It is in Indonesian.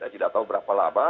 tidak tahu berapa lama